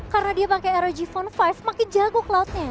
karena dia pake rog phone lima makin jago cloudnya